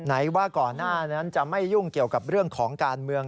ไหนว่าก่อนหน้านั้นจะไม่ยุ่งเกี่ยวกับเรื่องของการเมือง